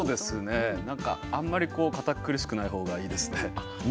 あまり堅苦しくない方がいいですね。